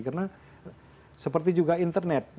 karena seperti juga internet